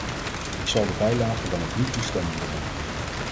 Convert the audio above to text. Ik zal de bijlage dan ook niet in stemming brengen.